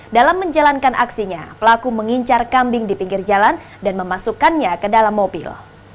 dalam menjalankan aksinya pelaku mengincar kambing di pinggir jalan dan memasukkannya ke dalam mobil